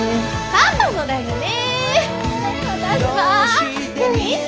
パパもだよね？